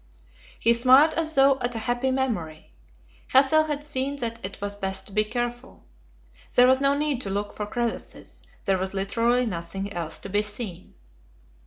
He smiled as though at a happy memory. Hassel had seen that it was best to be careful. There was no need to look for crevasses; there was literally nothing else to be seen.